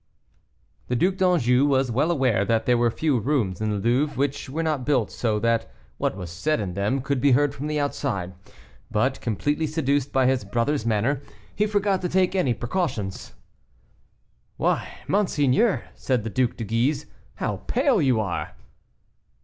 The Duc d'Anjou was well aware that there were few rooms in the Louvre which were not built so that what was said in them could be heard from the outside; but, completely seduced by his brother's manner, he forgot to take any precautions. "Why, monseigneur," said the Duc de Guise, "how pale you are!"